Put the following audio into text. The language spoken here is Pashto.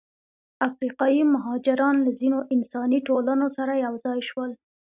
افریقایي مهاجران له ځینو انساني ټولنو سره یوځای شول.